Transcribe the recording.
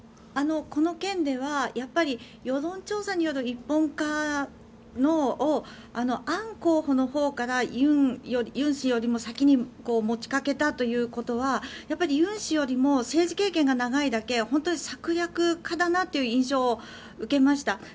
この件ではやっぱり世論調査による一本化をアン候補のほうからユン氏よりも先に持ちかけたということはユン氏よりも政治経験が長いだけ本当に策略家だなという印象を受けました。